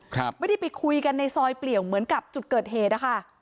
ครับไม่ได้ไปคุยกันในซอยเปลี่ยวเหมือนกับจุดเกิดเหตุอะค่ะ